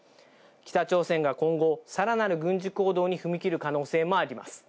北朝鮮が今後、さらなる軍事行動に踏み切る可能性もあります。